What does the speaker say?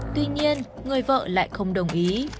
tuy nhiên người vợ lại không đồng ý